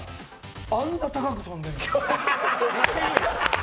あんな高く跳んでんのに？